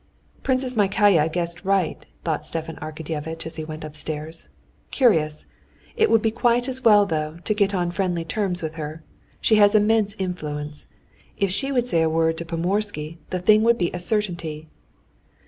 "Princess Myakaya guessed right," thought Stepan Arkadyevitch, as he went upstairs. "Curious! It would be quite as well, though, to get on friendly terms with her. She has immense influence. If she would say a word to Pomorsky, the thing would be a certainty."